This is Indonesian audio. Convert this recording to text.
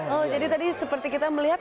oh jadi tadi seperti kita melihat